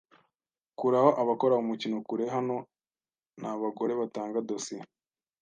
Kuraho abakora umukino kure hano nta bagore batanga dosiye